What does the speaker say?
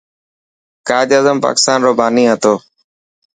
قائداعظم پاڪستان رو باني هتو.